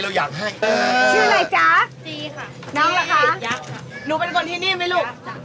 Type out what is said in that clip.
หนูเป็นคนที่นี่มั้ยลูก